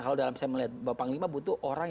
kalau dalam saya melihat bahwa panglima butuh orang